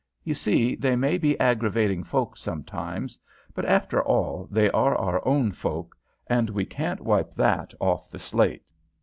You see, they may be aggravating folk sometimes, but after all they are our own folk, and we can't wipe that off the slate."